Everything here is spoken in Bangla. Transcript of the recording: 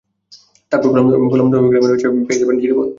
তারপর কমলদহ গ্রামের ভেতর আরও ঘণ্টা খানেক হাঁটলে পেয়ে যাবেন ঝিরিপথ।